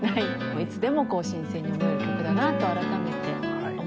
いつでも新鮮に思える曲だなと改めて思っています。